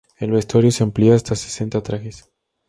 El vestuario se amplia hasta sesenta trajes.